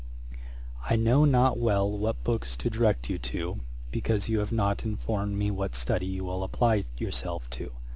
'I know not well what books to direct you to, because you have not informed me what study you will apply yourself to.